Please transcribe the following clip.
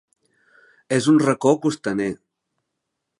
És un racó costaner.